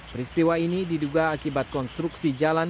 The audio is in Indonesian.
peristiwa ini diduga akibat konstruksi jalan